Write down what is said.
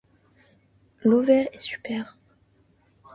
L'ovaire est supère.